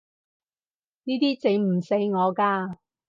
呢啲整唔死我㗎